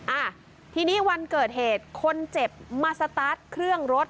อ่าทีนี้วันเกิดเหตุคนเจ็บมาสตาร์ทเครื่องรถ